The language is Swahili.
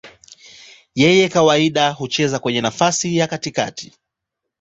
Yeye kawaida hucheza kwenye nafasi ya katikati.